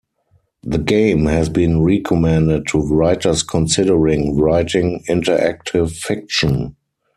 The game has been recommended to writers considering writing interactive fiction.